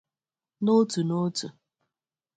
n'otu n'otu